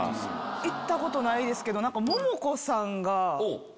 行ったことないですけど。